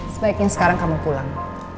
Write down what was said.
sebaiknya sekarang kamu pulang